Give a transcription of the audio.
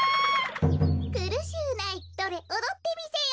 くるしゅうないおどってみせよ。